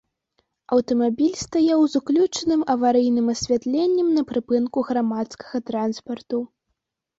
Аўтамабіль стаяў з уключаным аварыйным асвятленнем на прыпынку грамадскага транспарту.